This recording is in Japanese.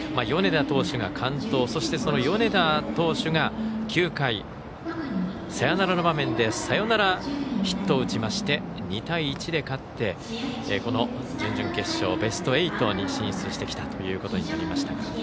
米田投手が完投そして、その米田投手が９回、サヨナラの場面でサヨナラヒットを打ちまして２対１で勝ってこの準々決勝、ベスト８に進出してきたということになりました。